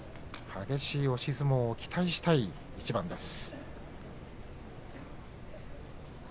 激しい押し相撲を期待したい一番です。